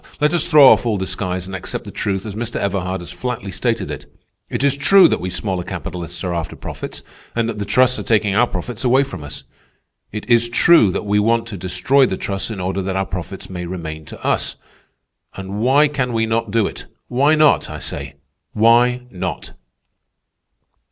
Let us throw off all disguise and accept the truth as Mr. Everhard has flatly stated it. It is true that we smaller capitalists are after profits, and that the trusts are taking our profits away from us. It is true that we want to destroy the trusts in order that our profits may remain to us. And why can we not do it? Why not? I say, why not?"